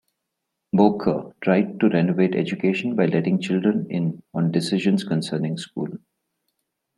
Boeke tried to renovate education by letting children in on decisions concerning school.